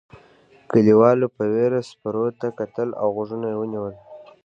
کليوالو په وېره سپرو ته کتل او غوږونه یې ونیول.